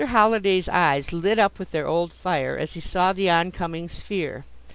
Holliday's eyes lit up with their old fire as he saw the on coming sphere.